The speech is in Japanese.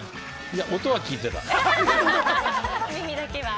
音は聞いてた。